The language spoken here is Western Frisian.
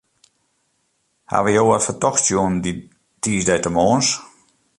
Hawwe jo wat fertochts sjoen dy tiisdeitemoarns?